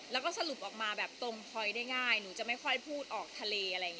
และสรุปออกมาตรงคอยได้ง่ายหนูจะไม่ค่อยพูดออกทะเล